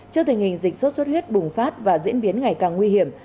trước tình hình dịch sốt xuất huyết bùng phát và diễn biến ngày càng nguy hiểm